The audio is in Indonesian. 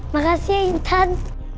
makasih ya intan